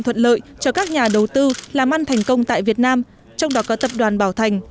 thuận lợi cho các nhà đầu tư làm ăn thành công tại việt nam trong đó có tập đoàn bảo thành